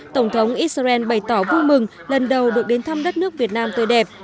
tổng thống israel bày tỏ vui mừng lần đầu được đến thăm đất nước việt nam tươi đẹp